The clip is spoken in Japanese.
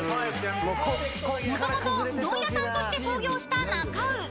［もともとうどん屋さんとして創業したなか卯］